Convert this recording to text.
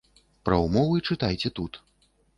Пра ўмовы чытайце тут.